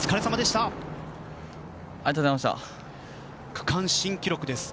区間新記録です。